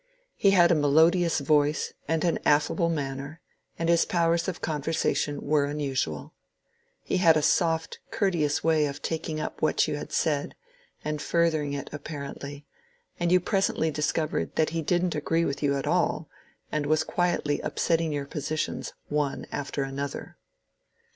He bad a melodious voice and an affable manner, and his powers of conversation were unusual. He had a soft courteous way of taking up what you had said, and furthering it apparently ; and you presently discovered that he did n't agree with you at all, and was quietly upsetting your positions one after an other.